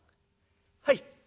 「はい。